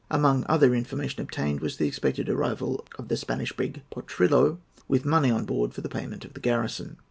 Amongst other information obtained was the expected arrival of the Spanish brig Potrillo, with money on board for the payment of the garrison.